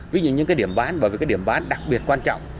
với những cái điểm bán bởi vì cái điểm bán đặc biệt quan trọng